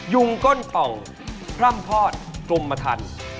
ยุงก้นปำงปล้ำพอดกรมทรร